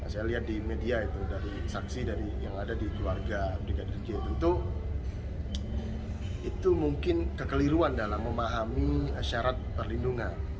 saya lihat di media itu dari saksi dari yang ada di keluarga brigadir j tentu itu mungkin kekeliruan dalam memahami syarat perlindungan